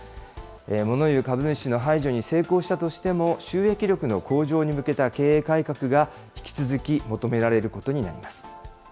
もの言う株主の排除に成功したとしても、収益力の向上に向けた経営改革が、引き続き求められることになります。